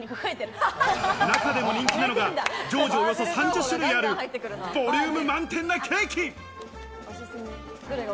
中でも人気なのが、常時およそ３０種類あるボリューム満点のケーキ。